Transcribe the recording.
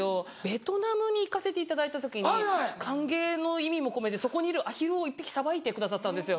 ベトナムに行かせていただいた時に歓迎の意味も込めてそこにいるアヒルを１匹さばいてくださったんですよ。